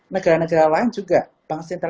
negara negara lain juga bank sentral